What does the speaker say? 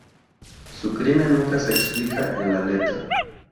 Su crimen nunca se explica en la letra.